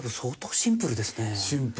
シンプル。